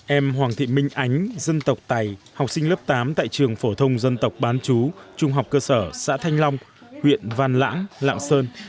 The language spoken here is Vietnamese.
em hoàng thị minh ánh dân tộc tài học sinh lớp tám tại trường phổ thông dân tộc bán chú trung học cơ sở xã thanh long huyện văn lãng lạng sơn